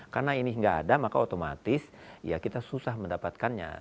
karena ini tidak ada maka otomatis kita susah mendapatkannya